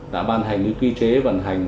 đã ban hành những quy chế vận hành